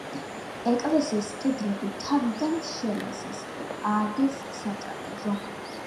ეკლესიის კედლები თავიდან შელესეს, ააგეს სატრაპეზო.